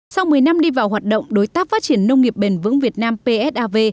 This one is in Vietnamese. sau một mươi năm đi vào hoạt động đối tác phát triển nông nghiệp bền vững việt nam psav